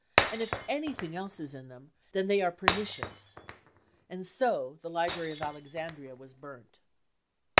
And if anything else is in them, then they are pernicious. 33 And so the library of Alexandria was burnt.